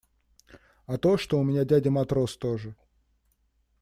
А то, что у меня дядя матрос тоже.